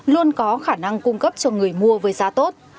luôn có khả năng cung cấp cho người mua với giá tốt